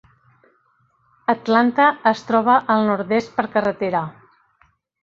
Atlanta es troba al nord-est per carretera.